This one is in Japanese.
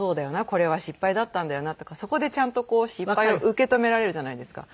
これは失敗だったんだよなとかそこでちゃんとこう失敗を受け止められるじゃないですか。